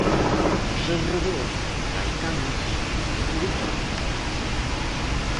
Ao seu redor hai cans de todo tipo.